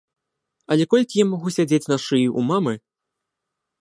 Але колькі я магу сядзець на шыі у мамы?